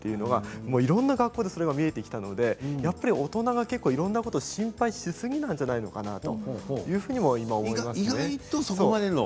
いろんな学校でそれが見えてきたので大人はいろんなことを心配しすぎなんじゃないかなと。